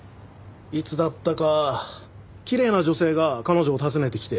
いつだったかきれいな女性が彼女を訪ねてきて。